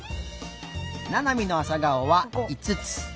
ななみのあさがおはいつつ。